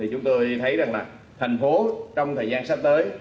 chúng tôi thấy rằng là thành phố trong thời gian sắp tới